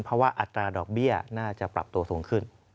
เพราะว่าอัตราดอกเบี้ยน่าจะปรับตัวสูงขึ้น